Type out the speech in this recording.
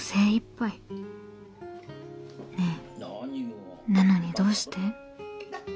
ねえなのにどうして？